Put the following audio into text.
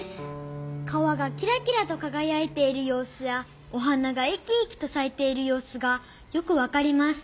「川がきらきらとかがやいているようすやお花がいきいきとさいているようすがよくわかります」